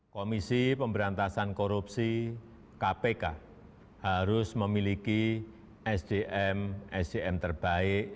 komisi pemberantasan korupsi kpk harus memiliki sdm sdm terbaik